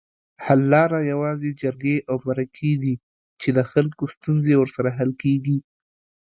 حل لاره یوازې جرګې اومرکي دي چي دخلګوستونزې ورسره حل کیږي